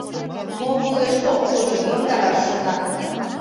Мо кӱлеш-оккӱлжым йомдараш шона.